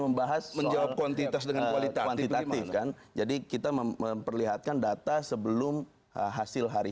membahas menjawab kuantitas dengan kualita kuantitatif kan jadi kita memperlihatkan data sebelum hasil hari